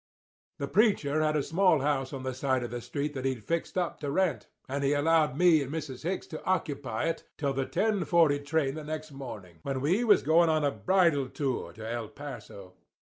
"The preacher had a small house on the side of the street that he'd fixed up to rent; and he allowed me and Mrs. Hicks to occupy it till the ten forty train the next morning, when we was going on a bridal tour to El Paso.